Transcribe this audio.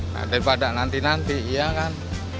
nah daripada nanti nanti iya kan